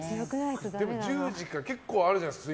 １０時から結構あるじゃないですか